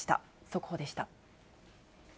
速報でした。